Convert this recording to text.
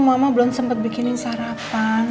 mama belum sempat bikinin sarapan